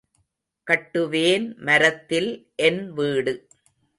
கட்டுவேன் மரத்தில் என்வீடு.